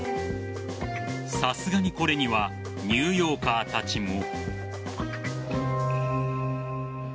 さすがにこれにはニューヨーカーたちも。